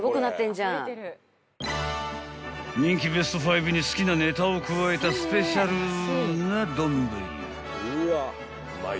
［人気ベスト５に好きなネタを加えたスペシャルな丼］